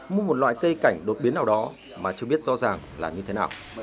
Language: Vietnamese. mua một loại cây cảnh đột biến nào đó mà chưa biết rõ ràng là như thế nào